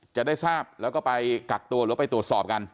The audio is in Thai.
จะได้ทราบแล้วก็ไปกักตัวหรือไปตรวจสอบกัน